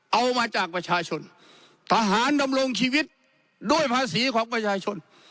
เอามาจากประชาชนทหารดำรงชีวิตด้วยภาษีของประชาชน